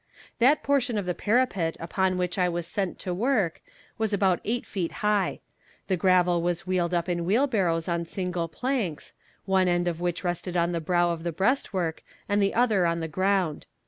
That portion of the parapet upon which I was sent to work was about eight feet high. The gravel was wheeled up in wheelbarrows on single planks, one end of which rested on the brow of the breast work and the other on the ground.